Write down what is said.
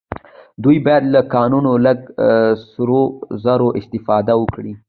دوی باید له کانونو لکه سرو زرو استفاده وکړي